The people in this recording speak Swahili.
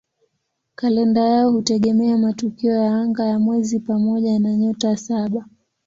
Kalenda yao hutegemea matukio ya anga ya mwezi pamoja na "Nyota Saba".